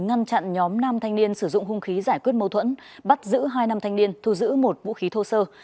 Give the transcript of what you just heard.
ngăn chặn nhóm nam thanh niên sử dụng hung khí giải quyết mâu thuẫn bắt giữ hai nam thanh niên thu giữ một vũ khí thô sơ